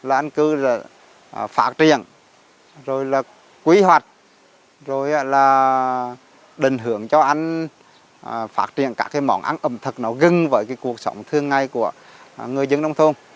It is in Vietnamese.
anh cư là phát triển rồi là quy hoạch rồi là đình hưởng cho anh phát triển các cái món ăn ẩm thực nào gừng với cái cuộc sống thương ngay của người dân đông thôn